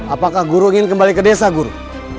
apakah guru ingin kembali ke desa guru